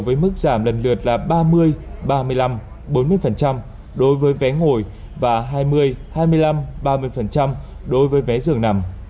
với mức giảm lần lượt là ba mươi ba mươi năm bốn mươi đối với vé ngồi và hai mươi hai mươi năm ba mươi đối với vé dường nằm